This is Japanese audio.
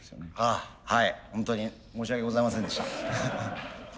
ああはいホントに申し訳ございませんでした。